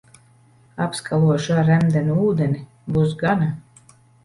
Apskalošu ar remdenu ūdeni, būs gana.